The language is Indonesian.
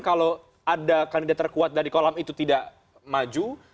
kalau ada kandidat terkuat dari kolam itu tidak maju